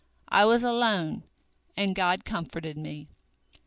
I was alone, and God comforted me.